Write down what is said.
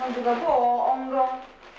kan juga bohong dong